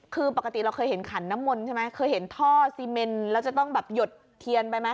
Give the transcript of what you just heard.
คือปกติเราเคยเห็นขันน้ำมนต์ใช่ไหมเคยเห็นท่อซีเมนแล้วจะต้องแบบหยดเทียนไปไหม